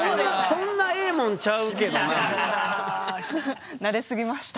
「そんなええもんちゃうけどな」みたいな。